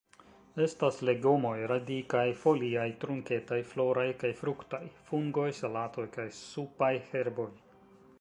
Estas legomoj: radikaj, foliaj, trunketaj, floraj kaj fruktaj; fungoj, salatoj kaj supaj herboj.